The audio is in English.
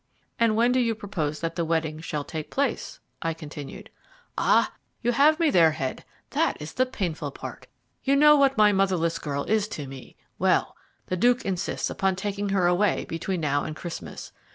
"And when do you propose that the wedding shall take place?" I continued. "Ah, you have me there, Head; that is the painful part. You know what my motherless girl is to me well, the Duke insists upon taking her away between now and Christmas.